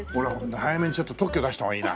早めにちょっと特許出した方がいいな。